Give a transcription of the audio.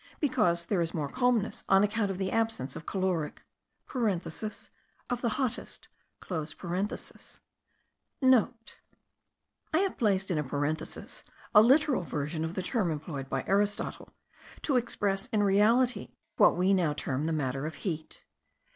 Because there is more calmness on account of the absence of caloric (of the hottest).* (* I have placed in a parenthesis, a literal version of the term employed by Aristotle, to express in reality what we now term the matter of heat.